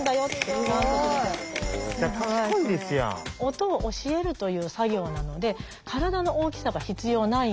音を教えるという作業なので体の大きさは必要ないんですね。